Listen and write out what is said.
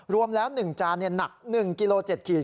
รวมแล้ว๑จานหนัก๑กิโล๗ขีด